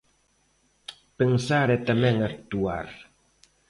Pensar e tamén actuar.